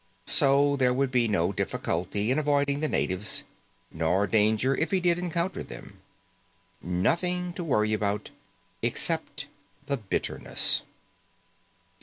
So, there would be no difficulty in avoiding the natives, nor danger if he did encounter them. Nothing to worry about, except the bitterness.